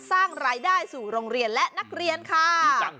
สร้างรายได้สู่โรงเรียนและนักเรียนค่ะ